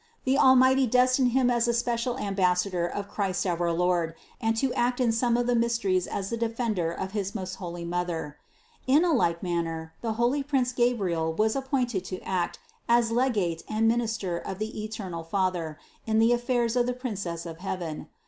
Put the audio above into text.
The Almighty destined him as a special ambassador of Christ our Lord and to act in some of the mysteries as the defender of his most holy Mother. In a like man ner the holy prince Gabriel was appointed to act as le gate and minister of the eternal Father in the affairs of the Princess of heaven.